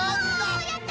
おやった！